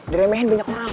diremehin banyak orang